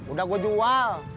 udah gua jual